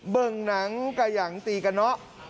เบิ่งหนังกะยังตีกันเนาะ